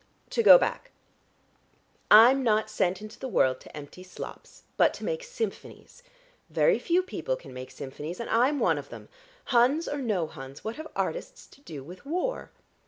To go back. I'm not sent into the world to empty slops, but to make symphonies. Very few people can make symphonies, and I'm one of them. Huns or no Huns, what have artists to do with war?"